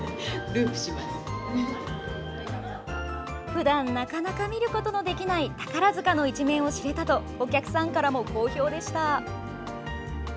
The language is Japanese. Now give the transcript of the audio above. ふだんなかなか見ることのできない宝塚の一面を知れたとお客さんからも好評でした。